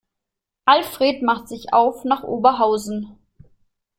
Alfred macht sich auf nach Oberhausen.